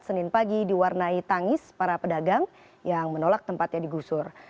senin pagi diwarnai tangis para pedagang yang menolak tempatnya digusur